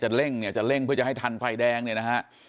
เร่งเนี่ยจะเร่งเพื่อจะให้ทันไฟแดงเนี่ยนะฮะ